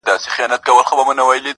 o چا ویل دا چي، ژوندون آسان دی.